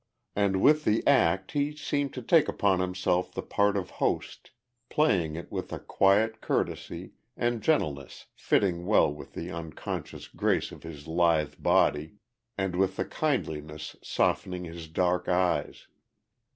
And with the act he seemed to take upon himself the part of host, playing it with a quiet courtesy and gentleness fitting well with the unconscious grace of his lithe body and with the kindliness softening his dark eyes.